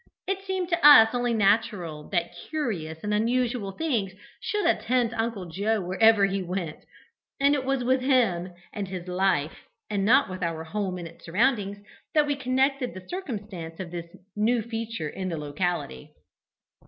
It seemed to us only natural that curious and unusual things should attend Uncle Joe wherever he went, and it was with him and his life, and not with our home and its surroundings, that we connected the circumstance of this new feature in the locality.